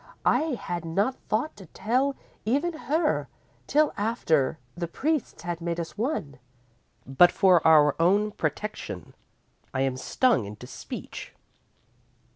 I had not thought to tell even her till after the priests had made us one, but for our own protection, I am stung into speech.